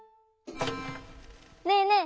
ねえねえ